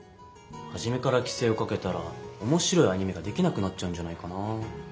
はじめから規制をかけたらおもしろいアニメができなくなっちゃうんじゃないかな。